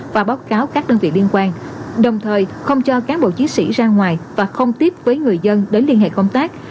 và báo cáo các đơn vị liên quan đồng thời không cho cán bộ chiến sĩ ra ngoài và không tiếp với người dân đến liên hệ công tác